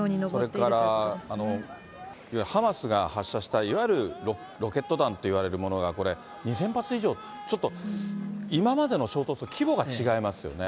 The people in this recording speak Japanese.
それから、いわゆるハマスが発射したロケット弾といわれるものが２０００発以上、ちょっと今までの衝突と規模が違いますよね。